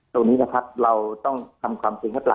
ตรงนี้เราจะต้องทำความคิดข้างหน้า